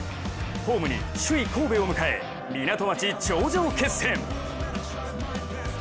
ホームに首位・神戸を迎え港町頂上決戦。